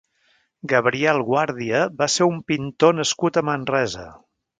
Gabriel Guàrdia va ser un pintor nascut a Manresa.